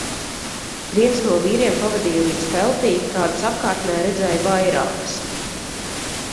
Viens no vīriem pavadīja līdz teltij, kādas apkārtnē redzēju vairākas.